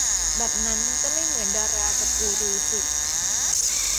แบบนั้นก็ไม่เหมือนดารากับกูรูสิ